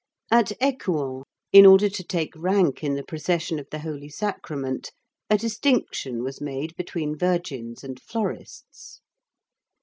At Écouen, in order to take rank in the procession of the Holy Sacrament, a distinction was made between virgins and florists.